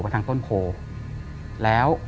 ไปทางต้นโขแล้ว